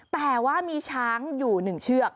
แต่ว่ามีช้างอยู่๑เชือก